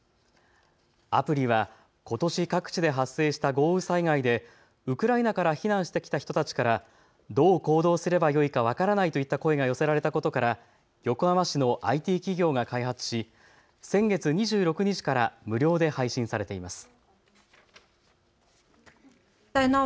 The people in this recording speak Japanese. アプリはことし各地で発生した豪雨災害でウクライナから避難してきた人たちからどう行動すればよいか分からないといった声が寄せられたことから横浜市のＩＴ企業が開発し先月２６日から無料で配信されています。